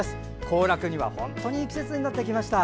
行楽には本当にいい季節になってきました。